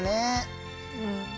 うん。